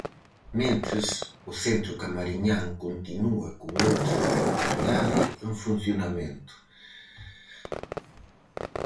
Mentres, o centro camariñán continúa con outra actividade en funcionamento.